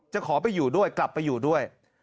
ขอไปอยู่ด้วยกลับไปอยู่ด้วย